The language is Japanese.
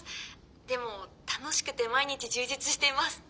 でも楽しくて毎日充実しています。